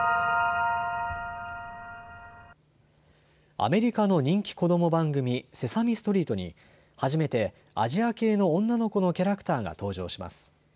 アメリカの人気子ども番組、セサミストリートに初めてアジア系の女の子のキャラクターが登場します。